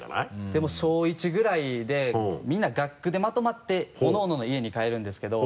でも小１ぐらいでみんな学区でまとまっておのおのの家に帰るんですけど。